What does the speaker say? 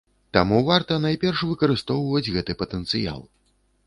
Таму варта найперш выкарыстоўваць гэты патэнцыял.